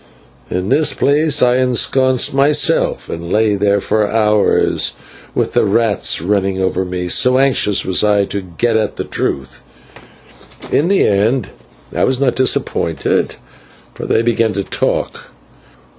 "In this place I ensconced myself, and lay there for hours, with the rats running over me, so anxious was I to get at the truth. In the end I was not disappointed, for they began to talk.